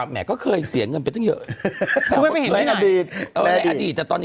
เว็บเล็กฉันเป็นลูกค้าเขาอยู่บ้าน